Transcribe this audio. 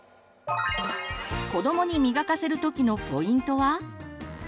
子どもに磨かせるときのポイントは？